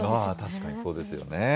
確かにそうですよね。